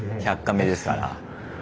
「１００カメ」ですから。